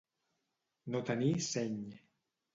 No tenir seny.